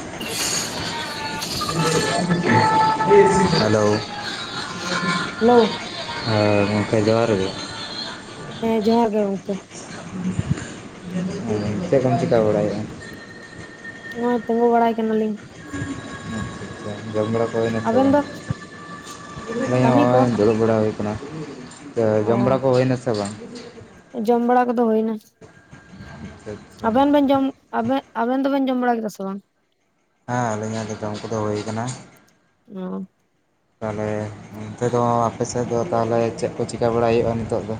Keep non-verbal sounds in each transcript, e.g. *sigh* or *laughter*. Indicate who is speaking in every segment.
Speaker 1: *unintelligible* Hello
Speaker 2: hello
Speaker 1: ᱦᱮᱸ ᱜᱚᱝᱠᱮ ᱡᱚᱦᱟᱨ ᱜᱮ
Speaker 2: ᱦᱮᱸ ᱡᱚᱦᱟᱨ ᱜᱮ ᱜᱚᱝᱠᱮ
Speaker 1: ᱪᱮᱫ ᱠᱚᱢ ᱪᱤᱠᱟ ᱵᱟᱲᱟᱭᱮᱫᱼᱟ
Speaker 2: ᱱᱚᱜ-ᱚᱭ ᱛᱤᱸᱜᱩ ᱵᱟᱲᱟᱭ ᱠᱟᱱᱟ ᱞᱤᱧ
Speaker 1: ᱟᱪᱪᱷᱟ ᱡᱚᱢ ᱵᱟᱲᱟ ᱠᱚ ᱦᱩᱭᱱᱟ ᱥᱮ
Speaker 2: ᱟᱵᱮᱱ
Speaker 1: ᱵᱟᱝ?
Speaker 2: ᱫᱚ ᱠᱟᱹᱢᱤ ᱠᱚ
Speaker 1: ᱱᱚᱸᱜᱼᱚᱭ ᱫᱩᱲᱩᱵ ᱵᱟᱲᱟ ᱦᱩᱭ ᱠᱟᱱᱟ ᱟᱫᱚ
Speaker 2: ᱚ
Speaker 1: ᱡᱚᱢ ᱵᱟᱲᱟ ᱠᱚ ᱦᱩᱭᱱᱟ ᱥᱮ ᱵᱟᱝ
Speaker 2: ᱡᱚᱢ ᱵᱟᱲᱟ ᱠᱚᱫᱚ ᱦᱩᱭᱱᱟ᱾
Speaker 1: ᱟᱪᱪᱷᱟ ᱟᱪᱪᱷᱟ ᱦᱮᱸ
Speaker 2: ᱟᱵᱮᱱ ᱵᱮᱱ ᱡᱚᱢᱼᱼ ᱟᱵᱮᱱ ᱟᱵᱮᱱ ᱫᱚᱵᱮᱱ ᱡᱚᱢ ᱵᱟᱲᱟ ᱠᱮᱫᱟ ᱥᱮ ᱵᱟᱝ?
Speaker 1: ᱦᱮᱸ ᱟᱹᱞᱤᱧᱟᱜ ᱫᱚ ᱡᱚᱢ ᱠᱚᱫᱚ ᱦᱩᱭ ᱠᱟᱱᱟ᱾
Speaker 2: ᱚᱸ
Speaker 1: ᱛᱟᱦᱚᱞᱮ ᱚᱱᱛᱮ ᱫᱚ ᱟᱯᱮ ᱥᱮᱫ ᱫᱚ ᱛᱟᱦᱚᱞᱮ ᱪᱮᱫ ᱠᱚ ᱪᱤᱠᱟᱹ ᱵᱟᱲᱟᱭ ᱦᱩᱭᱩᱜᱼᱟ ᱱᱤᱛᱳᱜ ᱫᱚ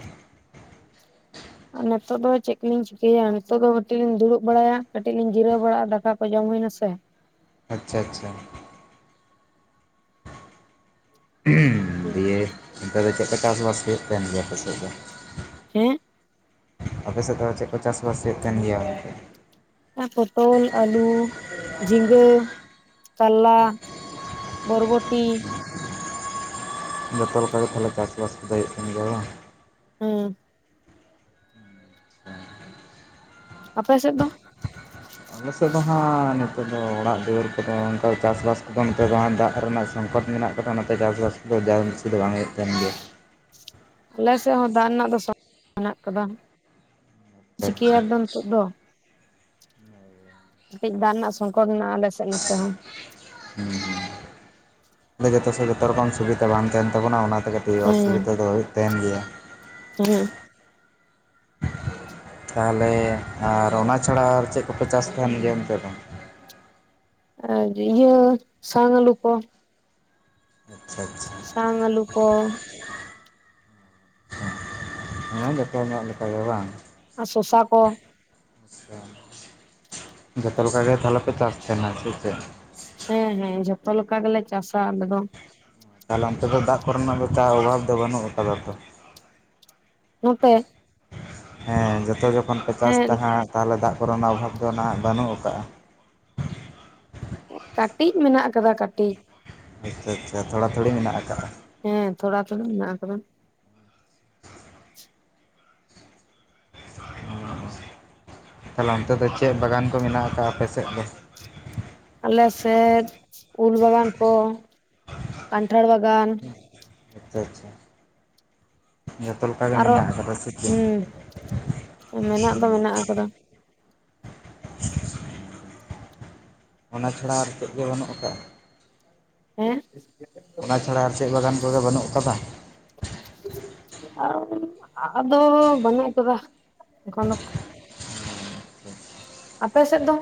Speaker 2: ᱟᱨ ᱱᱤᱛᱚᱜ ᱫᱚ ᱪᱮᱫ ᱠᱚᱞᱤᱧ ᱪᱤᱠᱟᱹᱭᱟ ᱱᱤᱛᱚᱜ ᱫᱚ ᱠᱟᱹᱴᱤᱡ ᱞᱤᱧ ᱫᱩᱲᱩᱵ ᱵᱟᱲᱟᱭᱟ ᱠᱟᱹᱴᱤᱡ ᱞᱤᱧ ᱡᱤᱨᱟᱹᱣ ᱵᱟᱲᱟᱜᱼᱟ ᱫᱟᱠᱟ ᱠᱚ ᱡᱚᱢ ᱦᱩᱭᱱᱟ ᱥᱮ
Speaker 1: ᱟᱪᱪᱷᱟ ᱟᱪᱪᱷᱟ ᱫᱤᱭᱮ ᱚᱱᱛᱮ ᱫᱚ ᱪᱮᱫ ᱠᱚ ᱪᱟᱥᱼᱵᱟᱥ ᱦᱩᱭᱩᱜ ᱛᱟᱦᱮᱱ ᱜᱮᱭᱟ ᱟᱯᱮ ᱥᱮᱫ
Speaker 2: ᱦᱮᱸ
Speaker 1: ᱟᱯᱮ ᱥᱮᱫ ᱫᱚ ᱪᱮᱫ ᱠᱚ ᱪᱟᱥ ᱵᱟᱥ ᱦᱩᱭᱩᱜ ᱛᱟᱦᱮᱱ ᱜᱮᱭᱟ ᱚᱱᱛᱮ
Speaker 2: ᱯᱚᱴᱚᱞ, ᱟᱹᱞᱩ, ᱡᱷᱤᱸᱜᱟᱹ, ᱠᱟᱨᱞᱟ ᱵᱷᱚᱨᱵᱚᱴᱤ
Speaker 1: ᱡᱚᱛᱚ ᱞᱮᱠᱟ ᱜᱮ ᱛᱟᱦᱚᱞᱮ ᱪᱟᱥ ᱵᱟᱥ ᱠᱚᱫᱚ ᱦᱩᱭᱩᱜ ᱠᱟᱱ ᱜᱮᱭᱟ ᱵᱟᱝ
Speaker 2: ᱦᱮᱸ
Speaker 1: *unintelligible*
Speaker 2: ᱟᱯᱮ ᱥᱮᱫ ᱫᱚ
Speaker 1: ᱟᱞᱮ ᱥᱮᱫ ᱫᱚ ᱦᱟᱸᱜ ᱱᱤᱛᱚᱜ ᱫᱚ ᱚᱲᱟᱜ ᱫᱩᱣᱟᱹᱨ ᱠᱚᱫᱚ ᱚᱱᱠᱟ ᱪᱟᱥ ᱵᱟᱥ ᱠᱚᱫᱚ ᱱᱚᱛᱮ ᱫᱚ ᱦᱟᱜ ᱫᱟᱜ ᱨᱮᱱᱟᱜ ᱥᱚᱝᱠᱚᱴ ᱢᱮᱱᱟᱜ ᱚᱱᱟᱛᱮ ᱪᱟᱥ ᱵᱟᱥ ᱠᱚᱫᱚ ᱡᱟᱣᱦᱳᱠ ᱵᱮᱥᱤ ᱫᱚ ᱵᱟᱝ ᱦᱩᱭᱩᱜ ᱛᱟᱦᱮᱱ ᱜᱮᱭᱟ
Speaker 2: ᱟᱞᱮ ᱥᱮᱫ ᱦᱚᱸ ᱫᱟᱜ ᱨᱮᱱᱟᱜ ᱫᱚ ᱥᱚᱝᱠᱚᱴ ᱢᱮᱱᱟᱜ ᱟᱠᱟᱫᱟ ᱪᱤᱠᱟᱹᱭᱟᱢ
Speaker 1: ᱟᱪᱪᱷᱟ
Speaker 2: ᱟᱫᱚ ᱱᱤᱛᱚᱜ ᱫᱚ ᱠᱟᱹᱴᱤᱡ ᱫᱟᱜ ᱨᱮᱱᱟᱜ ᱥᱚᱝᱠᱚᱴ ᱢᱮᱱᱟᱜᱼᱟ ᱟᱞᱮ ᱥᱮᱫ ᱱᱚᱛᱮ ᱦᱚᱸ
Speaker 1: ᱦᱩᱸ ᱦᱩᱸ ᱚᱸᱰᱮ ᱜᱮᱛᱚ ᱥᱮ ᱡᱚᱛᱚ ᱥᱮᱡ ᱡᱚᱛᱚ ᱨᱚᱠᱚᱢ ᱥᱩᱵᱤᱫᱟ ᱵᱟᱝ ᱛᱟᱦᱮᱱ ᱛᱟᱵᱚᱱᱟ ᱚᱱᱟ ᱠᱟᱹᱴᱤᱡ
Speaker 2: ᱦᱮᱸ
Speaker 1: ᱚᱥᱩᱵᱤᱫᱟ ᱫᱚ ᱦᱩᱭᱩᱜ ᱛᱟᱦᱮᱱ ᱜᱮᱭᱟ
Speaker 2: ᱦᱮᱸ
Speaker 1: *inaudible* ᱛᱟᱦᱚᱞᱮ ᱟᱨ ᱚᱱᱟ ᱪᱷᱟᱲᱟ ᱟᱨ ᱪᱮᱫ ᱠᱚᱯᱮ ᱪᱟᱥ ᱛᱟᱦᱮᱱ ᱜᱮᱭᱟ ᱚᱱᱛᱮ ᱫᱚ
Speaker 2: ᱟᱨ ᱤᱭᱟᱹ ᱥᱟᱝ ᱟᱹᱞᱩ ᱠᱚ
Speaker 1: ᱟᱪᱪᱷᱟ ᱟᱪᱪᱷᱟ
Speaker 2: ᱥᱟᱝ ᱟᱹᱞᱩ ᱠᱚ
Speaker 1: *unintelligible* ᱡᱚᱛᱚ ᱧᱚᱜ ᱞᱮᱠᱟ ᱜᱮ ᱵᱟᱝ
Speaker 2: ᱟᱨ ᱥᱳᱥᱟ ᱠᱚ
Speaker 1: ᱟᱪᱪᱷᱟ ᱡᱚᱛᱚ ᱞᱮᱠᱟ ᱜᱮ ᱛᱟᱦᱚᱞᱮ ᱯᱮ ᱪᱟᱥ ᱛᱟᱦᱮᱱᱟ ᱥᱮ ᱪᱮᱫ?
Speaker 2: ᱦᱮᱸ ᱦᱮᱸ ᱡᱷᱚᱛᱚ ᱞᱮᱠᱟ ᱜᱮᱞᱮ ᱪᱟᱥᱟ ᱟᱞᱮ ᱫᱚ
Speaker 1: ᱛᱟᱦᱚᱞᱮ ᱚᱱᱛᱮ ᱫᱚ ᱫᱟᱜ ᱠᱚᱨᱮᱱᱟᱜ ᱚᱱᱠᱟ ᱚᱵᱷᱟᱵᱽ ᱫᱚ ᱵᱟᱹᱱᱩᱜ ᱟᱠᱟᱫᱟ ᱛᱚ
Speaker 2: ᱱᱚᱛᱮ
Speaker 1: ᱦᱮᱸ ᱡᱚᱛᱚ ᱡᱚᱠᱷᱚᱱ ᱯᱮ ᱪᱟᱥ
Speaker 2: ᱦᱮᱸ
Speaker 1: ᱫᱟᱦᱟᱜ ᱛᱟᱦᱚᱞᱮ ᱫᱟᱜ ᱠᱚ ᱨᱮᱱᱟᱜ ᱚᱵᱷᱟᱵᱽ ᱫᱚ ᱱᱟᱦᱟᱜ ᱵᱟᱹᱱᱩᱜ ᱟᱠᱟᱫᱼᱟ
Speaker 2: ᱠᱟᱹᱴᱤᱡ ᱢᱮᱱᱟᱜ ᱟᱠᱟᱫᱟ ᱠᱟᱹᱴᱤᱡ
Speaker 1: ᱟᱪᱪᱷᱟ ᱟᱪᱪᱷᱟ ᱛᱷᱚᱲᱟ ᱛᱷᱚᱲᱤ ᱢᱮᱱᱟᱜ ᱟᱠᱟᱫᱼᱟ
Speaker 2: ᱦᱮᱸ ᱛᱷᱚᱲᱟ ᱛᱷᱚᱲᱤ ᱢᱮᱱᱟᱜ ᱟᱠᱟᱫᱟ
Speaker 1: ᱛᱟᱦᱚᱞᱮ ᱚᱱᱛᱮ ᱫᱚ ᱪᱮᱫ ᱵᱟᱜᱟᱱ ᱠᱚ ᱢᱮᱱᱟᱜ ᱟᱠᱟᱜᱼᱟ ᱟᱯᱮ ᱥᱮᱫ ᱫᱚ
Speaker 2: ᱟᱞᱮᱥᱮᱫ ᱩᱞ ᱵᱟᱜᱟᱱ ᱠᱚ ᱠᱟᱱᱴᱷᱟᱲ ᱵᱟᱜᱟᱱ
Speaker 1: ᱟᱪᱪᱷᱟ ᱟᱪᱪᱷᱟ ᱡᱚᱛᱚ ᱞᱮᱟᱜᱮ
Speaker 2: ᱟᱨᱚ
Speaker 1: ᱢᱮᱱᱟᱜ ᱟᱠᱟᱫᱟ ᱥᱮ ᱪᱮᱫ
Speaker 2: ᱦᱩᱸ ᱢᱮᱱᱟᱜ ᱫᱚ ᱢᱮᱱᱟᱜ ᱟᱠᱟᱫᱟ᱾
Speaker 1: ᱚᱱᱟ ᱪᱷᱟᱲᱟ ᱟᱨ ᱪᱮᱫ ᱜᱮ ᱵᱟᱹᱱᱩᱜ ᱟᱠᱟᱫᱟ
Speaker 2: ᱦᱮᱸ
Speaker 1: ᱚᱱᱟ ᱪᱷᱟᱲᱟ ᱟᱨ ᱪᱮᱫ ᱵᱟᱜᱟᱱ ᱠᱚᱜᱮ ᱵᱟᱹᱱᱩᱜ ᱟᱠᱟᱫᱟ
Speaker 2: ᱟᱫᱚ ᱵᱚᱱᱩᱜ ᱟᱠᱟᱫᱟ ᱟᱯᱮ ᱥᱮᱫ ᱫᱚ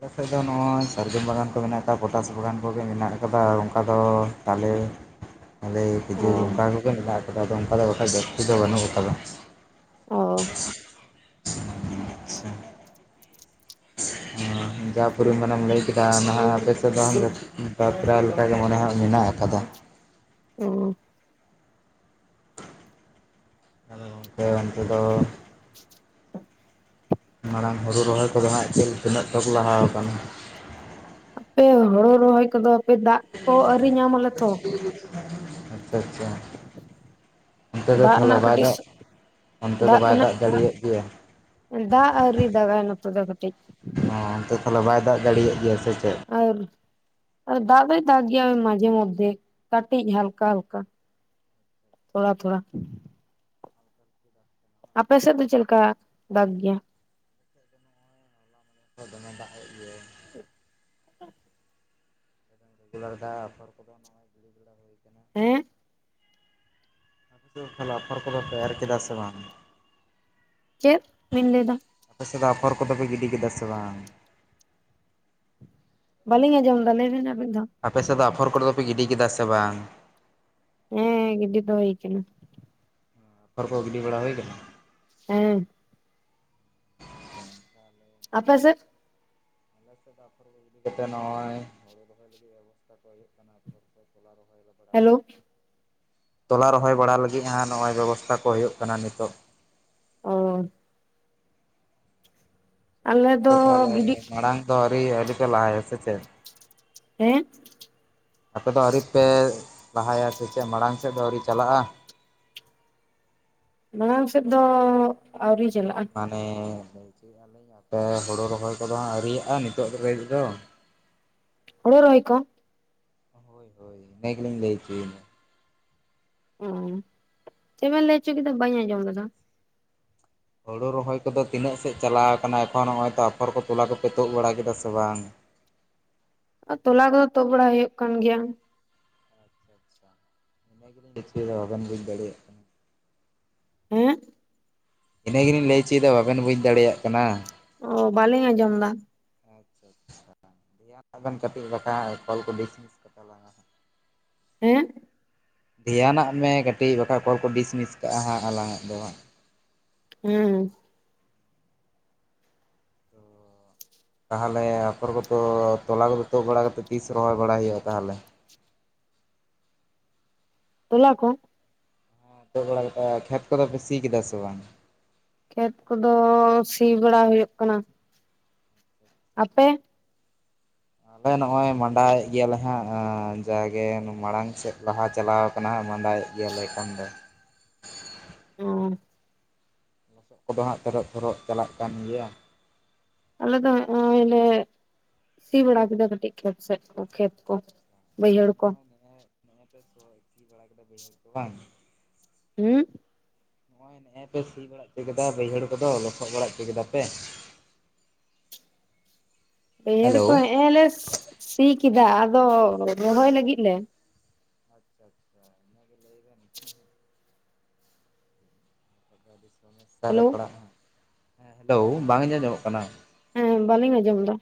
Speaker 1: ᱟᱞᱮ ᱥᱮᱫ ᱫᱚ ᱱᱚᱜᱼᱚᱭ ᱥᱟᱨᱡᱚᱢ ᱵᱟᱜᱟᱱ ᱠᱚ ᱢᱮᱱᱟᱜ ᱟᱠᱟᱫᱟ ᱯᱚᱴᱟᱥ ᱵᱟᱜᱟᱱ ᱠᱚᱜᱮ ᱢᱮᱱᱟᱜ ᱟᱠᱟᱫᱟ ᱚᱱᱠᱟ ᱫᱚ ᱛᱟᱞᱮ ᱛᱟᱞᱮ
Speaker 2: ᱚ
Speaker 1: ᱠᱷᱤᱡᱩᱨ ᱚᱱᱠᱟ ᱠᱚᱜᱮ ᱢᱮᱱᱟᱜ ᱟᱠᱟᱫᱟ ᱟᱫᱚ ᱚᱱᱠᱟ ᱫᱚ ᱵᱟᱠᱷᱟᱡ ᱡᱟᱹᱥᱛᱤ ᱫᱚ ᱵᱟᱹᱱᱩᱜ ᱟᱠᱟᱫᱟ
Speaker 2: ᱚᱸ
Speaker 1: ᱟᱪᱪᱷᱟ ᱡᱟ *unintelligible* ᱯᱩᱨᱤ ᱢᱟᱱᱮᱢ ᱞᱟᱹᱭ ᱠᱮᱫᱟ ᱱᱟᱦᱟᱜ ᱟᱯᱮ ᱥᱮᱫ ᱫᱚ ᱵᱟᱛᱨᱟ ᱞᱮᱠᱟᱜᱮ ᱢᱚᱱᱮ ᱦᱚᱭ ᱢᱮᱱᱟᱜ ᱟᱠᱟᱫᱟ
Speaker 2: ᱚ
Speaker 1: ᱟᱫᱚ ᱜᱚᱝᱠᱮ ᱚᱱᱛᱮ ᱫᱚ ᱢᱟᱲᱟᱝ ᱦᱩᱲᱩ ᱨᱚᱦᱚᱭ ᱠᱚᱫᱚ ᱦᱟᱜ ᱛᱤᱱᱟᱹᱜ ᱪᱚᱠᱚ ᱞᱟᱦᱟ ᱟᱠᱟᱱᱟ
Speaker 2: ᱦᱟᱯᱮ ᱦᱳᱲᱩ ᱨᱚᱦᱚᱭ ᱠᱚᱫᱚ ᱯᱮ ᱫᱟᱜ ᱠᱚ ᱟᱹᱣᱨᱤ ᱧᱟᱢ ᱟᱞᱮ ᱛᱚ
Speaker 1: ᱟᱪᱪᱷᱟ ᱟᱪᱪᱷᱟ ᱚᱱᱛᱮ ᱫᱚ
Speaker 2: ᱫᱟᱜ
Speaker 1: ᱛᱟᱦᱚᱞᱮ
Speaker 2: ᱨᱮᱱᱟᱜ
Speaker 1: ᱵᱟᱭ ᱫᱟᱜ ᱮᱫᱟ
Speaker 2: ᱠᱟᱹᱴᱤᱡ ᱫᱟᱜ ᱟᱠᱟᱱᱟ ᱫᱟᱜ ᱟᱹᱣᱨᱤ ᱫᱟᱜᱟᱭ ᱱᱚᱛᱮ ᱫᱚ ᱠᱟᱹᱴᱤᱡ
Speaker 1: ᱚᱱᱛᱮ ᱛᱟᱦᱞᱮ ᱵᱟᱭ ᱫᱟᱜ ᱡᱟᱲᱤᱭᱮᱜ ᱜᱮᱭᱟ ᱥᱮ ᱪᱮᱫ
Speaker 2: ᱟᱨ ᱟᱨ ᱫᱟᱜ ᱫᱚᱭ ᱫᱟᱜ ᱜᱮᱭᱟ ᱢᱟᱡᱮ ᱢᱚᱫᱽᱷᱮ ᱠᱟᱴᱤᱡ ᱦᱟᱞᱠᱟ ᱦᱟᱞᱠᱟ ᱛᱷᱚᱲᱟ ᱛᱷᱚᱲᱟ
Speaker 1: *unintelligible*
Speaker 2: ᱟᱯᱮ ᱥᱮᱫ ᱫᱚ ᱪᱮᱫ ᱞᱮᱠᱟᱭ ᱫᱟᱜ ᱜᱮᱭᱟ
Speaker 1: ᱫᱚᱢᱮ ᱫᱟᱜ ᱮᱫ ᱜᱮᱭᱟᱭ᱾
Speaker 2: *unintelligible*
Speaker 1: *unintelligible* ᱟᱯᱷᱚᱨ ᱠᱚᱫᱚ ᱱᱚᱜᱼᱚᱭ ᱜᱤᱲᱤ ᱵᱟᱲᱟ ᱦᱩᱭ ᱟᱠᱟᱱᱟ
Speaker 2: ᱦᱮᱸ
Speaker 1: ᱞᱟᱹᱭ ᱮᱫ ᱛᱟᱦᱮᱱ ᱟᱯᱷᱦᱚᱨ ᱠᱚᱫᱚ ᱯᱮ ᱮᱨ ᱠᱮᱫᱟ ᱥᱮ ᱵᱟᱝ
Speaker 2: ᱪᱮᱫ ᱵᱤᱱ ᱞᱟᱹᱭ ᱮᱫᱟ
Speaker 1: ᱟᱯᱮ ᱥᱮᱫ ᱫᱚ ᱟᱯᱷᱚᱨ ᱠᱚᱫᱚ ᱯᱮ ᱜᱤᱰᱤ ᱠᱮᱫᱟ ᱥᱮ ᱵᱟᱝ
Speaker 2: ᱵᱟᱞᱤᱧ ᱟᱡᱚᱢ ᱫᱟ ᱞᱟᱹᱭ ᱵᱮᱱ ᱟᱨ ᱢᱤᱫ ᱫᱷᱟᱣ᱾
Speaker 1: ᱟᱯᱮ ᱥᱮᱫ ᱫᱚ ᱟᱯᱷᱟᱨ ᱠᱚᱫᱚ ᱯᱮ ᱜᱤᱰᱤ ᱠᱮᱫᱟ ᱥᱮ ᱵᱟᱝ?
Speaker 2: ᱦᱮᱸ ᱜᱤᱰᱤ ᱫᱚ ᱦᱩᱭ ᱟᱠᱟᱱᱟ
Speaker 1: ᱟᱯᱷᱚᱨ ᱠᱚ ᱜᱤᱰᱤ ᱵᱟᱲᱟ ᱦᱩᱭ ᱟᱠᱟᱱᱟ
Speaker 2: ᱦᱮᱸ ᱟᱯᱮ ᱥᱮᱫ
Speaker 1: ᱟᱞᱮ ᱥᱮᱫ ᱫᱚ ᱟᱯᱷᱚᱨ ᱠᱚ ᱜᱮ *unintelligible* ᱤᱫᱤ ᱠᱟᱛᱮ ᱱᱚᱜᱼᱚᱭ ᱦᱲᱩ ᱨᱚᱦᱚᱭ ᱞᱟᱹᱜᱤᱫ ᱵᱮᱵᱚᱥᱛᱟ ᱠᱚ ᱦᱩᱭᱩᱜ ᱠᱟᱱᱟ ᱟᱯᱷᱚᱨᱜ ᱛᱚᱞᱟ ᱨᱚᱦᱚᱭ ᱞᱟᱹᱜᱤᱫ ᱵᱟᱲᱟ
Speaker 2: ᱦᱮᱞᱳ
Speaker 1: ᱛᱚᱞᱟ ᱨᱚᱦᱚᱭ ᱵᱟᱲᱟ ᱞᱟᱹᱜᱤᱫ ᱦᱟᱜ ᱱᱚᱜᱼᱚᱭ ᱵᱮᱵᱚᱥᱛᱟ ᱠᱚ ᱦᱩᱭᱩᱜ ᱠᱟᱱᱟ ᱱᱤᱛᱚᱜ
Speaker 2: ᱚ ᱟᱞᱮ
Speaker 1: ᱟᱯᱮ ᱫᱚ ᱛᱟᱦᱚᱞᱮ
Speaker 2: ᱜᱤᱰᱤ
Speaker 1: ᱢᱟᱲᱟᱝ ᱫᱚ ᱟᱹᱣᱨᱤ ᱟᱹᱰᱤ ᱯᱮ ᱞᱟᱦᱟᱭᱟ ᱥᱮ ᱪᱮᱫ
Speaker 2: ᱦᱮᱸ
Speaker 1: ᱟᱯᱮᱫᱚ ᱟᱹᱣᱨᱤᱯᱮ ᱞᱟᱦᱟᱭᱟ ᱥᱮ ᱪᱮᱫ ᱢᱟᱲᱟᱝ ᱥᱮᱫ ᱫᱚ ᱟᱹᱣᱨᱤ ᱪᱟᱞᱟᱜᱼᱟ
Speaker 2: ᱢᱟᱲᱟᱝ ᱥᱮᱫ ᱫᱚ ᱟᱹᱣᱨᱤ ᱪᱟᱞᱟᱜᱼᱟ
Speaker 1: ᱢᱟᱱᱮ ᱞᱟᱹᱭ ᱦᱪᱚᱭᱮᱫᱟᱞᱤᱧ ᱟᱯᱮ ᱦᱳᱲᱳ ᱨᱚᱦᱚᱭ ᱠᱚᱫᱚ ᱟᱹᱣᱨᱤᱭᱟᱜᱼᱟ ᱱᱤᱛᱚᱜ ᱞᱟᱜᱤᱫ ᱫᱚ
Speaker 2: ᱦᱳᱲᱳ ᱨᱚᱦᱚᱭ ᱠᱚ
Speaker 1: ᱦᱳᱭ ᱦᱳᱭ ᱤᱱᱟᱹ ᱜᱮᱞᱤᱧ ᱞᱟᱹᱭ ᱚᱪᱚᱭᱮᱫᱟ᱾
Speaker 2: ᱪᱮᱜ ᱵᱮᱱ ᱞᱟᱹᱭ ᱪᱚ ᱠᱮᱫᱟ ᱵᱟᱹᱧ ᱟᱸᱡᱚᱢ ᱞᱮᱫᱟ
Speaker 1: ᱦᱳᱲᱩ ᱨᱚᱦᱚᱭ ᱠᱚᱫᱚ ᱛᱤᱱᱟᱹᱜ ᱥᱮᱫ ᱪᱟᱞᱟᱣ ᱠᱟᱱᱟ ᱮᱠᱷᱚᱱ ᱱᱚᱜ ᱚᱭ ᱛᱚ ᱟᱯᱷᱚᱨ ᱠᱚ ᱛᱚᱞᱟ ᱠᱚᱯᱮ ᱛᱩᱫ ᱵᱟᱲᱟ ᱠᱮᱫᱟ ᱥᱮ ᱵᱟᱝ
Speaker 2: ᱟᱨ ᱛᱚᱞᱟ ᱠᱚᱫᱚ ᱛᱩᱫ ᱵᱟᱲᱟ ᱦᱩᱭᱩᱜ ᱠᱟᱱ ᱜᱮᱭᱟ
Speaker 1: *inaudible* *inaudible* ᱵᱟᱵᱤᱱ ᱵᱩᱡ ᱫᱟᱲᱮᱭᱟᱜ
Speaker 2: ᱦᱮᱜ
Speaker 1: ᱤᱱᱟᱹ ᱜᱨᱞᱤᱧ ᱞᱟᱹᱭ ᱚᱪᱚᱭᱫᱟ ᱵᱟᱵᱮᱱ ᱵᱩᱡᱽ ᱫᱟᱲᱮᱭᱟᱜ ᱠᱟᱱᱟ
Speaker 2: ᱚ ᱵᱟᱞᱤᱧ ᱟᱸᱡᱚᱢ ᱮᱫᱟ
Speaker 1: ᱟᱪᱪᱷᱟ ᱟᱪᱪᱷᱟ ᱫᱮᱭᱟᱱ ᱟᱜ ᱵᱮᱱ ᱠᱟᱹᱴᱤᱡ ᱵᱟᱠᱷᱟᱡ ᱠᱚᱞ ᱠᱚ ᱰᱤᱥᱢᱤᱥ ᱪᱟᱞᱟᱜᱟ ᱦᱟᱜ
Speaker 2: ᱦᱮᱸ
Speaker 1: ᱫᱷᱮᱭᱟᱱᱟᱜ ᱢᱮ ᱠᱟᱹᱴᱤᱡ ᱵᱟᱠᱷᱟ ᱠᱚᱞ ᱠᱚ ᱰᱤᱥᱢᱤᱥ ᱠᱟᱜᱼᱟ ᱦᱟᱸᱜ ᱟᱞᱟᱝ ᱟᱜ ᱫᱚ
Speaker 2: ᱦᱮ
Speaker 1: ᱛᱚ ᱛᱟᱦᱚᱞᱮ ᱟᱯᱷᱳᱨ ᱠᱚᱫᱚ ᱛᱚᱞᱟ ᱠᱚᱫᱚ ᱛᱩᱫ ᱵᱟᱲᱟ ᱠᱟᱛᱮᱫ ᱛᱤᱥ ᱨᱚᱦᱚᱭ ᱵᱟᱲᱟᱭ ᱦᱩᱭᱩᱜᱼᱟ ᱛᱟᱦᱚᱞᱮ
Speaker 2: ᱛᱚᱞᱟ ᱠᱚ
Speaker 1: ᱛᱚᱜ ᱵᱟᱲᱟ ᱞᱮᱠᱟ ᱠᱷᱮᱛ ᱠᱚᱫᱚ ᱯᱮ ᱥᱤ ᱠᱮᱫᱟ ᱥᱮ ᱵᱟᱝ
Speaker 2: ᱠᱷᱮᱛ ᱠᱚᱫᱚ ᱥᱤ ᱵᱟᱲᱟ ᱦᱩᱭᱩᱜ ᱠᱟᱱᱟ ᱟᱯᱮ
Speaker 1: ᱟᱞᱮ ᱱᱚᱜᱼᱚᱭ ᱢᱟᱸᱰᱟ ᱭᱮᱫ ᱜᱮᱭᱟᱞᱮ ᱦᱟᱸᱜ ᱡᱟᱜᱮ ᱢᱟᱲᱟᱝ ᱥᱮᱫ ᱞᱟᱦᱟ ᱪᱟᱞᱟᱣ ᱟᱠᱟᱱᱟ ᱢᱟᱸᱰᱟᱭᱮᱫ ᱜᱮᱭᱟ ᱞᱮ ᱮᱠᱷᱚᱱ ᱫᱚ
Speaker 2: ᱳ᱾
Speaker 1: ᱞᱚᱥᱚᱜ ᱠᱚᱫᱚ ᱦᱟᱸᱜ ᱛᱤᱨᱚᱜ ᱛᱚᱨᱚᱜ ᱪᱟᱞᱟᱜ ᱠᱟᱱ ᱜᱮᱭᱟ
Speaker 2: ᱟᱞ ᱫᱚ ᱱᱚᱜᱚᱭ ᱞᱮ ᱥᱤ ᱵᱟᱲᱟ ᱠᱮᱫᱟ ᱠᱟᱹᱴᱤᱡ ᱠᱷᱮᱛ ᱥᱮᱫ ᱠᱚ ᱠᱷᱮᱛ ᱠᱚ ᱵᱟᱹᱭᱦᱟᱹᱲ ᱠᱚ
Speaker 1: ᱱᱚᱜᱼᱚᱭ *unintelligible* ᱥᱤ ᱵᱟᱲᱟ ᱠᱮᱫᱟ ᱵᱟᱹᱭᱦᱟᱹᱲ ᱠᱚ ᱵᱟᱝ
Speaker 2: ᱦᱩᱸ
Speaker 1: ᱱᱚᱜ ᱚᱭ ᱱᱮᱜ-ᱮ ᱯᱮ ᱥᱤ ᱵᱟᱲᱟ ᱚᱪᱚ ᱠᱮᱫᱟ ᱵᱟᱹᱭᱦᱟᱹᱲ ᱠᱚᱫᱚ ᱞᱚᱥᱚᱫ ᱵᱟᱲᱟ ᱦᱚᱪᱚ ᱠᱮᱫᱟ ᱯᱮ *unintelligible*
Speaker 2: ᱵᱟᱹᱭᱦᱟᱲ
Speaker 1: ᱦᱮᱞᱳ
Speaker 2: ᱠᱚ ᱱᱚᱜᱚᱭ ᱞᱮ ᱥᱤ ᱠᱮᱫᱟ ᱟᱫᱚ ᱨᱚᱦᱚᱭ ᱞᱟᱹᱜᱤᱫ ᱞᱮ
Speaker 1: ᱟᱪᱪᱷᱟ ᱟᱪᱪᱷᱟ ᱤᱱᱟ ᱜᱮ ᱞᱟᱹᱭ ᱵᱮᱱ
Speaker 2: *unintelligible*
Speaker 1: ᱟᱹᱰᱤ ᱥᱚᱢᱚᱥᱟ ᱨᱮ
Speaker 2: ᱦᱮᱞᱳ
Speaker 1: ᱯᱟᱲᱟᱜᱼᱟ ᱦᱮᱸ ᱦᱮᱞᱳ ᱵᱟᱝ ᱟᱡᱚᱢ ᱧᱟᱢᱚᱜ ᱠᱟᱱᱟ
Speaker 2: ᱦᱮᱸ ᱵᱟᱹᱞᱤᱧ ᱟᱸᱡᱚᱢ ᱮᱫᱟ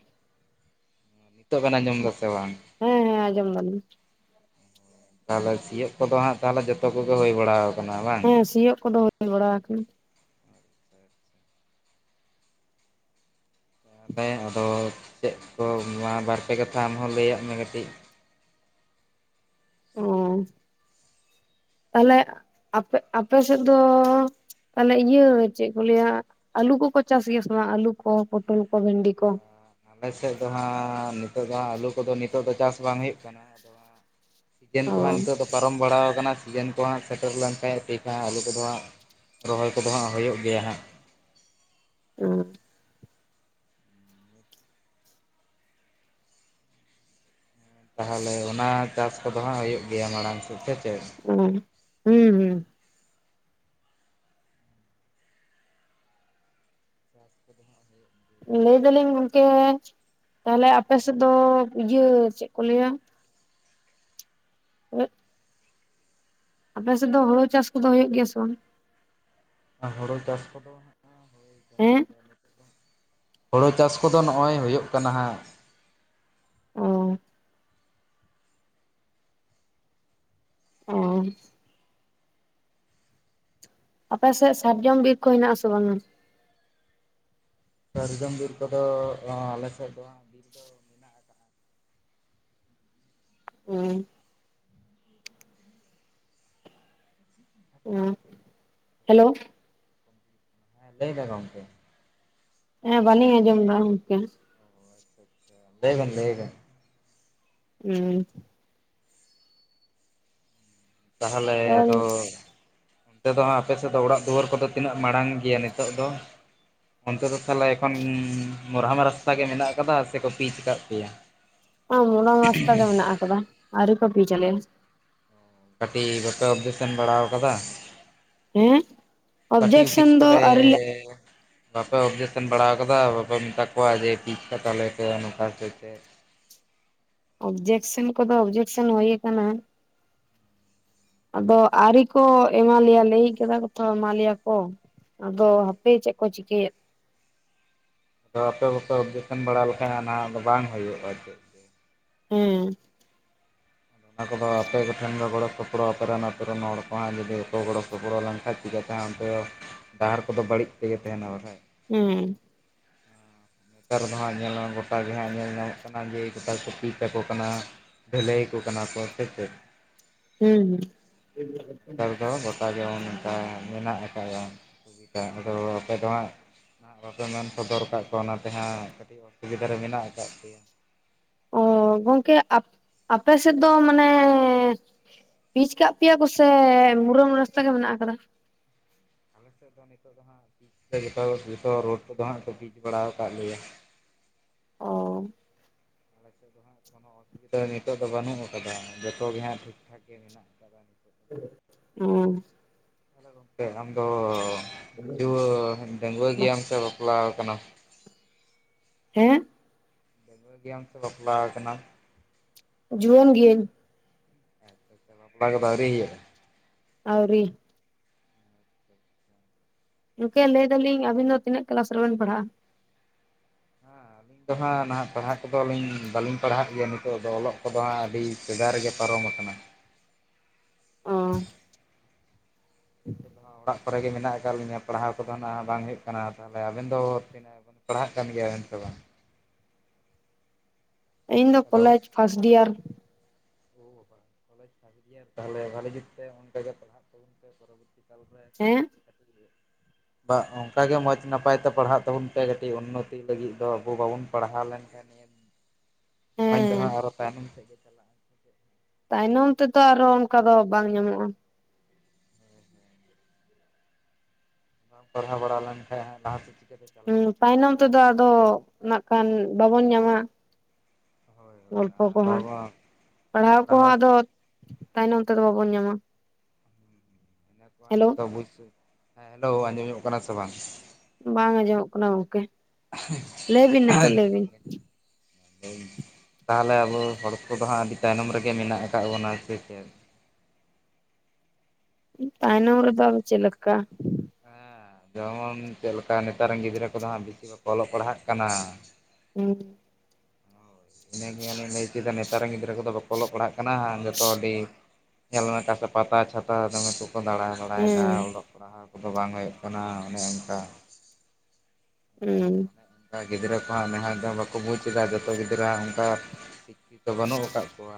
Speaker 1: ᱱᱤᱛᱚᱜ ᱵᱮᱱ ᱟᱸᱡᱚᱢ ᱮᱫᱟ ᱥᱮ ᱵᱟᱝ
Speaker 2: ᱦᱮᱸ ᱦᱮᱸ ᱟᱸᱡᱚᱢ ᱮᱫᱟᱞᱤᱧ
Speaker 1: ᱛᱟᱦᱚᱞᱮ ᱥᱤᱭᱳᱜ ᱠᱚᱫᱚ ᱦᱟᱸᱜ ᱛᱟᱦᱚᱞᱮ ᱡᱚᱛᱚ ᱠᱚᱜᱮ ᱦᱩᱭ ᱵᱟᱲᱟ ᱟᱠᱟᱱᱟ ᱵᱟᱝ
Speaker 2: ᱦᱮᱸ ᱥᱤᱭᱚᱜ ᱠᱚᱫᱚ ᱦᱩᱭ ᱵᱟᱲᱟ ᱟᱠᱟᱱᱟ
Speaker 1: ᱢᱟᱱᱮ ᱟᱫᱚ ᱪᱮᱫ ᱠᱚ ᱱᱚᱣᱟ ᱵᱟᱨᱯᱮ ᱠᱟᱛᱷᱟ ᱟᱢ ᱦᱚ ᱞᱟᱹᱭ ᱟᱜ ᱢᱮ ᱠᱟᱹᱴᱤᱡ
Speaker 2: ᱚ ᱛᱟᱦᱞᱮ ᱟᱯᱮ ᱟᱯᱮ ᱥᱮᱫ ᱫᱚ ᱛᱟᱦᱚᱞᱮ ᱤᱭᱟᱹ ᱪᱮᱫ ᱠᱚ ᱞᱟᱹᱭᱟ ᱟᱞᱩ ᱠᱚᱠᱚ ᱪᱟᱥ ᱜᱮᱭᱟ ᱥᱮ ᱚᱱᱟ ᱟᱹᱞᱩ ᱠᱚ ᱯᱚᱴᱚᱞ ᱠᱚ ᱵᱷᱮᱱᱰᱤ ᱠᱚ
Speaker 1: ᱟᱞᱮ ᱥᱮᱫ ᱫᱚ ᱦᱟᱸᱜ ᱱᱤᱛᱚᱜ ᱫᱚ ᱦᱟᱜ ᱟᱹᱞᱩ ᱠᱚᱫᱚ ᱱᱤᱛᱚᱜ ᱫᱚ ᱪᱟᱥ ᱵᱟᱝ ᱦᱩᱭᱩᱜ ᱠᱟᱱᱟ ᱟᱫᱚ ᱦᱟᱸᱜ ᱥᱤᱡᱮᱱ
Speaker 2: ᱚ
Speaker 1: ᱠᱚ ᱦᱟᱸᱜ ᱱᱤᱛᱚᱜ ᱫᱚ ᱯᱟᱨᱚᱢ ᱵᱟᱲᱟᱟᱣ ᱠᱟᱱᱟ ᱥᱤᱡᱮᱱ ᱠᱚ ᱦᱟᱸᱜ ᱥᱮᱴᱮᱨ ᱞᱮᱱ ᱠᱷᱟᱡ ᱴᱷᱤᱠ ᱦᱟᱜ ᱟᱞᱩ ᱠᱚᱫᱚ ᱦᱟᱸᱜ ᱨᱚᱦᱚᱭ ᱠᱚᱫᱚ ᱦᱟᱸᱜ ᱦᱩᱭᱩᱜ ᱜᱮᱭᱟ ᱦᱟᱸᱜ
Speaker 2: ᱚ
Speaker 1: ᱛᱟᱦᱚᱞᱮ ᱚᱱᱟ ᱪᱟᱥ ᱠᱚᱫᱚ ᱦᱟᱸᱜ ᱦᱩᱭᱩᱜ ᱜᱮᱭᱟ ᱢᱟᱲᱟᱝ ᱥᱮᱫ ᱥᱮ ᱪᱮᱫ
Speaker 2: ᱚ ᱦᱩᱸ ᱦᱩᱸ
Speaker 1: ᱪᱟᱥ ᱠᱚᱫᱚ ᱦᱟᱸᱜ ᱦᱩᱭᱩᱜ ᱜᱮᱭᱟ
Speaker 2: ᱞᱟᱹᱭ ᱮᱫᱟᱞᱤᱧ ᱜᱚᱝᱠᱮ ᱛᱟᱦᱚᱞᱮ ᱟᱯᱮ ᱥᱮᱫ ᱫᱚ ᱤᱭᱟᱹ ᱪᱮᱫ ᱠᱚ ᱞᱟᱹᱭᱟ *unintelligible* ᱟᱯᱮᱥᱮᱫ ᱫᱚ ᱦᱩᱲᱩ ᱪᱟᱥ ᱠᱚᱫᱚ ᱦᱩᱭᱩᱜ ᱜᱮᱭᱟ ᱥᱮ ᱵᱟᱝ
Speaker 1: ᱦᱩᱲᱩ ᱪᱟᱥ ᱠᱚᱫᱚ
Speaker 2: ᱦᱮᱸ
Speaker 1: ᱦᱳᱲᱳ ᱪᱟᱥ ᱠᱚᱫᱚ ᱱᱚᱜᱼᱚᱭ ᱦᱩᱭᱩᱜ ᱠᱟᱱᱟ ᱦᱟᱜ ᱾
Speaker 2: ᱚ ᱚ ᱟᱯᱮ ᱥᱮᱫ ᱥᱟᱨᱡᱚᱢ ᱵᱤᱨ ᱠᱚ ᱦᱮᱱᱟᱜ ᱟᱥᱮ ᱵᱟᱝᱼᱟ ᱾
Speaker 1: ᱥᱟᱨᱡᱚᱢ ᱵᱤᱨ ᱠᱚᱫᱚ ᱟᱞᱮ ᱥᱮᱫ ᱫᱚ ᱵᱟᱝ
Speaker 2: ᱚᱸ
Speaker 1: *unintelligible*
Speaker 2: ᱦᱩᱸ ᱦᱮᱞᱳ
Speaker 1: ᱦᱮᱸ ᱞᱟᱹᱭ ᱢᱮ ᱜᱚᱝᱠᱮ
Speaker 2: ᱦᱮᱸ ᱵᱟᱞᱤᱧ ᱟᱸᱡᱚᱢ ᱫᱟ ᱜᱚᱝᱠᱮ ᱾
Speaker 1: ᱞᱟᱹᱭ ᱵᱮᱱ ᱞᱟᱹᱭ ᱵᱮᱱ
Speaker 2: *inaudible*
Speaker 1: ᱛᱟᱦᱟᱞᱮ ᱟᱫᱚ ᱚᱱᱛᱮᱫᱚᱦᱟᱜ ᱟᱯᱮᱥᱮᱫ ᱫᱚ ᱚᱲᱟᱜ ᱫᱩᱣᱟᱹᱨ ᱠᱚᱫᱚ ᱛᱤᱱᱟᱹᱜ ᱢᱟᱲᱟᱝ ᱜᱮᱭᱟ ᱱᱤᱛᱚᱜ ᱫᱚ ᱾ ᱚᱱᱛᱮ ᱫᱚ ᱛᱟᱞᱦᱮ ᱮᱠᱷᱚᱱ ᱢᱩᱨᱦᱟᱢ ᱨᱟᱥᱛᱟ ᱜᱮ ᱢᱮᱱᱟᱜ ᱟᱠᱟᱫᱟ ᱥᱮᱠᱚ ᱯᱤᱪ ᱠᱟᱜ ᱯᱮᱭᱟ ᱾ *inaudible*
Speaker 2: ᱢᱩᱞᱟᱢ ᱨᱟᱥᱴᱟ ᱜᱮ ᱢᱮᱱᱟᱜ ᱟᱠᱟᱫᱟ ᱟᱨᱤ ᱠᱚ ᱯᱤᱡ ᱟᱞᱮᱭᱟ ᱾
Speaker 1: *unintelligible* ᱵᱟᱯᱮ ᱚᱵᱡᱮᱠ ᱥᱮᱱ ᱵᱟᱲᱟ ᱠᱟᱫᱟ ᱾
Speaker 2: ᱦᱮᱸ ᱚᱵᱽᱡᱮᱠᱥᱚᱱ
Speaker 1: ᱚᱯᱷᱤᱥ
Speaker 2: ᱫᱚ
Speaker 1: ᱠᱚᱨᱮ
Speaker 2: ᱟᱣᱨᱤ ᱞᱮ
Speaker 1: ᱵᱟᱯᱮ ᱚᱵᱽᱡᱮᱠᱥᱮᱱ ᱵᱟᱲᱟ ᱠᱟᱫᱟ ᱵᱟᱯᱮ ᱢᱮᱛᱟ ᱠᱚᱣᱟ ᱡᱮ ᱴᱷᱤᱠ ᱴᱦᱟᱠ ᱟᱞᱮᱯᱮ ᱱᱚᱝᱠᱟ ᱦᱚᱛᱮᱡ ᱛᱮ ᱾
Speaker 2: ᱚᱵᱽᱡᱮᱠᱥᱮᱱ ᱠᱚᱫᱚ ᱚᱵᱽᱡᱮᱠᱥᱮᱱ ᱠᱳᱫᱚ ᱦᱩᱭ ᱠᱟᱱᱟ ᱾ ᱟᱫᱚ ᱟᱹᱨᱤ ᱠᱚ ᱮᱢᱟᱞᱮᱭᱟ ᱞᱟᱹᱭ ᱠᱟᱫᱟ ᱠᱚ ᱛᱚ ᱮᱢᱟᱞᱮᱭᱟ ᱠᱚ ᱾ ᱟᱫᱚ ᱦᱟᱯᱮ ᱪᱮᱫ ᱠᱚ ᱪᱤᱠᱟᱹᱭᱟᱫ
Speaker 1: ᱛᱚ ᱟᱯᱮ ᱦᱚᱸᱯᱮ ᱚᱵᱽᱡᱮᱠᱥᱮᱱ ᱵᱟᱲᱟ ᱞᱮᱠᱷᱟᱱ ᱟᱱᱟᱜ ᱫᱚ ᱵᱟᱝ ᱦᱩᱭᱩᱜᱼᱟ ᱾
Speaker 2: ᱦᱩᱸ
Speaker 1: ᱚᱱᱟ ᱠᱚᱫᱚ ᱟᱯᱮ ᱠᱚᱴᱷᱮᱱ ᱫᱚ ᱜᱚᱲᱚ ᱥᱚᱯᱚᱨᱚᱜ ᱟᱯᱮ ᱨᱮᱱ ᱟᱹᱛᱩ ᱨᱮᱱ ᱦᱚᱲ ᱠᱚ ᱦᱟᱸᱜ ᱡᱩᱫᱤ ᱵᱟᱠᱚ ᱜᱚᱲᱚ ᱥᱚᱯᱚᱲᱚ ᱞᱮᱱᱠᱷᱟᱡ ᱾ ᱪᱤᱠᱟᱛᱮ ᱚᱱᱛᱮ ᱫᱚ ᱰᱟᱦᱟᱨ ᱠᱚᱫᱚ ᱵᱟᱹᱲᱤᱡ ᱛᱮᱜᱮ ᱛᱟᱦᱮᱱᱟ ᱵᱟᱠᱷᱟᱡ
Speaker 2: ᱦᱩᱸ
Speaker 1: ᱱᱮᱛᱟᱨ ᱫᱚ ᱦᱟᱸᱜ ᱧᱮᱞ ᱜᱚᱴᱟ ᱜᱮ ᱦᱟᱸᱜ ᱧᱮᱞ ᱧᱟᱢᱚᱜ ᱠᱟᱱᱟ ᱡᱮ ᱜᱚᱴᱟ ᱠᱚᱯᱤᱡ ᱛᱟᱠᱚ ᱠᱟᱱᱟ ᱾ ᱰᱷᱟᱹᱞᱟᱹᱭ ᱟᱠᱚ ᱠᱟᱱᱟ ᱠᱚ ᱥᱮ ᱪᱮᱫ
Speaker 2: ᱦᱩᱸ ᱦᱩᱸ
Speaker 1: ᱚᱱᱠᱟ ᱜᱮ ᱚᱱᱠᱟ ᱢᱮᱱᱟᱜ ᱟᱠᱟᱜ ᱡᱮᱢᱚᱱ ᱟᱯᱮ ᱫᱚ ᱦᱟᱸᱜ ᱵᱟᱯᱮ ᱢᱮᱱ ᱥᱚᱫᱚᱨ ᱠᱟᱫ ᱠᱚᱣᱟ ᱚᱱᱟ ᱛᱮᱦᱟᱸᱜ ᱠᱟᱹᱴᱤᱡ ᱚᱥᱩᱵᱤᱫᱷᱟ ᱨᱮ ᱢᱮᱱᱟᱜ ᱟᱠᱟᱫ ᱯᱮᱭᱟ ᱾
Speaker 2: ᱚ ᱜᱚᱝᱠᱮ ᱟᱯ ᱟᱯᱮ ᱥᱮᱫ ᱫᱚ ᱢᱟᱱᱮ ᱯᱤᱪ ᱠᱟᱜ ᱯᱮᱭᱟ ᱠᱚᱥᱮ ᱢᱩᱨᱟᱢ ᱨᱟᱥᱛᱟ ᱜᱮ ᱢᱮᱱᱟᱜ ᱟᱠᱟᱫᱟ᱾
Speaker 1: ᱥᱮ ᱡᱤᱛᱟᱹᱣ ᱡᱚᱛᱚ ᱨᱳᱰ ᱠᱚᱫᱚ ᱦᱟᱸᱜ ᱠᱚ ᱵᱤᱡ ᱵᱟᱲᱟ ᱠᱟᱜ ᱞᱮᱭᱟ ᱾
Speaker 2: ᱚ
Speaker 1: *inaudible* ᱱᱤᱛᱚᱜ ᱫᱚ ᱵᱟᱹᱱᱩᱜ ᱟᱠᱟᱫᱟ ᱡᱚᱛᱚ ᱜᱮ ᱦᱟᱸᱜ ᱴᱷᱤᱠ ᱴᱷᱟᱠ ᱜᱮ ᱫᱚ
Speaker 2: ᱦᱩᱸ
Speaker 1: ᱛᱮ ᱟᱢᱫᱚ ᱨᱩᱣᱟᱹ ᱰᱟᱜᱩᱣᱟᱹ ᱜᱮᱭᱟᱢ ᱥᱮ ᱵᱟᱯᱞᱟ ᱠᱟᱱᱟᱢ ᱾
Speaker 2: ᱦᱮᱸ
Speaker 1: ᱰᱟᱜᱩᱣᱟᱹ ᱜᱮᱭᱟᱢ ᱥᱮ ᱵᱟᱯᱞᱟ ᱠᱟᱱᱟᱢ
Speaker 2: ᱡᱩᱣᱟᱹᱱ ᱜᱮᱭᱟᱧ
Speaker 1: *unintelligible* ᱟᱣᱨᱤ ᱦᱩᱭᱩᱜᱼᱟ
Speaker 2: ᱟᱣᱨᱤ ᱜᱚᱝᱠᱮ ᱞᱟᱹᱭ ᱫᱟᱞᱤᱧ ᱟᱵᱤᱱ ᱫᱚ ᱛᱤᱱᱟᱹᱜ ᱠᱞᱟᱥ ᱨᱮᱵᱮᱱ ᱯᱟᱲᱦᱟᱜᱼᱟ ᱾
Speaker 1: *unintelligible* ᱱᱤᱛᱚ ᱦᱟᱸᱜ ᱱᱟᱦᱟᱜ ᱯᱟᱲᱦᱟᱜ ᱠᱚᱫᱚ ᱟᱹᱞᱤᱧ ᱵᱟᱹᱞᱤᱧ ᱯᱟᱲᱦᱟᱜ ᱜᱮᱭᱟ ᱱᱤᱛᱚᱜ ᱫᱚ ᱚᱞᱚᱜ ᱠᱚᱫᱚ ᱦᱟᱸᱜ ᱟᱹᱰᱤ ᱥᱮᱫᱟᱭ ᱨᱮᱜᱮ ᱯᱟᱨᱚᱢ ᱟᱠᱟᱱᱟ ᱾
Speaker 2: ᱚ
Speaker 1: ᱱᱤᱛᱚᱜ
Speaker 2: *inaudible*
Speaker 1: ᱫᱚ ᱦᱟᱸᱜ ᱚᱲᱟᱜ ᱠᱚᱨᱮᱜ ᱜᱮ ᱢᱮᱱᱟᱜ ᱟᱠᱟᱫ ᱞᱤᱧᱟᱹ ᱯᱟᱲᱦᱟᱣ ᱠᱚᱫᱚ ᱦᱱᱟᱜ ᱵᱟᱝ ᱦᱩᱭᱩᱜ ᱠᱟᱱᱟ ᱛᱟᱦᱚᱞᱮ ᱟᱵᱮᱱ ᱫᱚ ᱛᱤᱱᱟᱹ? ᱯᱟᱲᱦᱟᱜ ᱠᱟᱱ ᱜᱮᱭᱟ ᱢᱮᱱᱛᱮ ᱵᱟᱝ?
Speaker 2: ᱤᱧ ᱫᱚ ᱠᱚᱞᱮᱡᱽ ᱯᱷᱟᱥᱴ ᱰᱤᱭᱟᱨ
Speaker 1: ᱚ ᱠᱚᱞᱮᱡᱽ ᱯᱷᱟᱥᱴ ᱤᱭᱟᱨ ᱛᱟᱦᱚᱞᱮ ᱵᱷ ᱞᱟᱹᱜᱤᱫ ᱛᱮ ᱚᱱᱠ ᱜᱮᱮ ᱯᱟᱲᱦᱟᱜ ᱛᱟᱵᱚᱱ ᱯᱮ ᱯᱚᱨᱚᱵᱚᱨᱛᱤ ᱠᱟᱞᱨᱮ
Speaker 2: ᱦᱮᱸ
Speaker 1: *inaudible* ᱵᱟ ᱚᱱᱠᱟᱟᱜ ᱜᱮ ᱢᱚᱸᱡᱽ ᱱᱟᱯᱟᱭ ᱛᱮ ᱯᱟᱲᱦᱟᱜ ᱛᱟᱵᱚᱱ ᱯᱮ ᱠᱟᱹᱴᱤᱡ ᱩᱱᱱᱚᱛᱤ ᱞᱟᱹᱜᱤᱫ ᱫᱚ ᱟᱵᱚ ᱵᱟᱵᱚᱱ ᱯᱟᱲᱦᱟᱣ ᱞᱮᱱᱠᱷᱟᱱ ᱥᱚᱢᱟᱡᱽ ᱫᱚ
Speaker 2: ᱦᱮᱸ
Speaker 1: ᱦᱟᱸᱜ ᱟᱨᱚ ᱛᱟᱭᱱᱚᱢ ᱛᱮ ᱜᱮ ᱪᱟᱞᱟᱜᱼᱟ ᱥᱮ ᱪᱮᱫ?
Speaker 2: ᱛᱟᱭᱱᱚᱢ ᱛᱮᱫᱚ ᱟᱨᱚ ᱚᱱᱠᱟ ᱫᱚ ᱵᱟᱝ ᱧᱟᱢᱚᱜᱼᱟ᱾
Speaker 1: ᱵᱟᱝ ᱯᱟᱲᱦᱟᱣ ᱵᱟᱲᱟ ᱞᱮᱱᱠᱟᱱᱡ ᱞᱟᱦᱟᱮᱫ ᱪᱤᱠᱟᱹᱛᱮ ᱪᱟᱞᱟᱜᱼᱟ?
Speaker 2: ᱦᱩᱸ ᱛᱟᱭᱱᱚᱢ ᱛᱮᱫᱚ ᱟᱫᱚ ᱱᱟᱜ ᱠᱷᱟᱱ ᱵᱟᱵᱚᱱ ᱧᱟᱢᱟ᱾
Speaker 1: ᱦᱳᱭ ᱦᱳᱭ
Speaker 2: ᱜᱚᱞᱯᱚ
Speaker 1: ᱚᱱᱟ
Speaker 2: ᱠᱚᱦᱚᱸ
Speaker 1: ᱵᱟᱵᱟ
Speaker 2: ᱯᱟᱲᱦᱟᱣ ᱠᱚᱦᱚᱸ ᱟᱫᱚ ᱛᱟᱭᱱᱚᱢ ᱛᱮᱫᱚ ᱵᱟᱵᱚᱱ ᱧᱟᱢᱟ᱾
Speaker 1: ᱤ
Speaker 2: ᱦᱮᱞᱳ
Speaker 1: ᱡᱚᱛᱚ ᱵᱩᱡ ᱦᱮᱸ ᱦᱮᱞᱳ ᱟᱸᱡᱚᱢᱚᱜ ᱠᱟᱱᱟ ᱥᱮ ᱵᱟᱝ?
Speaker 2: ᱵᱟᱝ ᱟᱸᱡᱚᱢᱚᱜ ᱠᱟᱱᱟ ᱜᱚᱝᱠᱮ᱾ ᱞᱟᱹᱭ ᱵᱤᱱ ᱱᱤᱛᱚᱜ ᱞᱟᱹᱭ ᱵᱤᱱ
Speaker 1: *inaudible* ᱛᱟᱦᱚᱞᱮ ᱟᱵᱚ ᱦᱚᱲ ᱠᱚᱫᱚ ᱦᱟᱸᱜ ᱟᱹᱰᱤ ᱛᱟᱭᱱᱚᱢ ᱨᱮᱜᱮ ᱢᱮᱱᱟᱜ ᱟᱠᱟᱫ ᱵᱚᱱᱟ, ᱥᱮ ᱪᱮᱫ?
Speaker 2: ᱛᱟᱭᱱᱚᱢ ᱨᱮᱫᱚ ᱪᱮᱫᱠᱟ?
Speaker 1: ᱦᱮᱸ ᱡᱮᱢᱚᱱ ᱪᱮᱫᱮᱠᱟ ᱱᱮᱛᱟᱨ ᱨᱮᱱ ᱜᱤᱫᱽᱨᱟᱹ ᱠᱚᱫᱚ ᱦᱟᱸᱜ ᱵᱮᱥᱤ ᱵᱟᱠᱚ ᱚᱞᱚᱜ ᱯᱟᱲᱦᱟᱜ ᱠᱟᱱᱟ᱾
Speaker 2: ᱩᱸ᱾
Speaker 1: ᱤᱱᱟᱹᱜᱮᱤᱧ ᱞᱟᱹᱭ ᱦᱚᱪᱚᱭᱫᱟ ᱱᱮᱛᱟᱨ ᱨᱮᱱ ᱜᱤᱫᱽᱨᱟᱹ ᱠᱚᱫᱚ ᱵᱟᱠᱚ ᱚᱞᱚᱜ ᱯᱟᱲᱦᱟᱜ ᱠᱟᱱᱟ᱾ ᱡᱷᱚᱛᱚ ᱟᱹᱰᱤ ᱧᱮᱞ ᱢᱮᱠᱟ ᱥᱮ ᱯᱟᱛᱟ ᱪᱷᱟᱛᱟ ᱫᱚᱢᱮ ᱠᱚᱠᱚ ᱫᱟᱬᱟ ᱵᱟᱲᱟᱭ ᱫᱟ
Speaker 2: ᱦᱩᱸ
Speaker 1: ᱚᱞᱚᱜ ᱯᱟᱲᱦᱟᱣ ᱠᱚᱫᱚ ᱵᱟᱝ ᱦᱩᱭᱩᱜ ᱠᱟᱱᱟ ᱚᱱᱮ ᱚᱱᱠᱟ᱾
Speaker 2: ᱦᱩᱸ᱾
Speaker 1: ᱠᱟ ᱜᱤᱫᱽᱨᱟᱹ ᱠᱚᱦᱟ ᱱᱮᱦᱟ ᱫᱚ ᱵᱟᱠᱩ ᱵᱩᱡ ᱮᱫᱟ ᱡᱚᱛᱚ ᱜᱤᱫᱽᱨᱟᱼᱟᱜ ᱚᱝᱠᱟ *inaudible* ᱵᱟᱹᱱᱩᱜ ᱟᱠᱟᱜ ᱠᱚᱣᱟ᱾